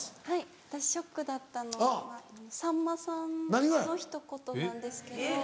はい私ショックだったのはさんまさんのひと言なんですけど。